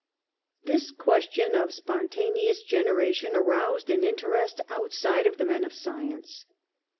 This question of spontaneous generation aroused an interest outside of the men of sci ence.